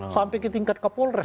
sampai ketingkat kapolres